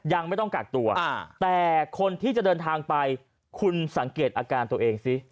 ยังไม่ต้องกักตัวแต่คนที่จะเดินทางไปคุณสังเกตอาการตัวเองซิ